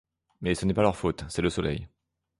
Mais ce n'est pas leur faute, c'est le soleil.